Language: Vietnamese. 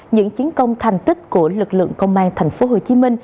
những chiến công thành tích của lực lượng công an tp hcm